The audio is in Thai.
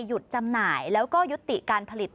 จำหน่ายแล้วก็ยุติการผลิต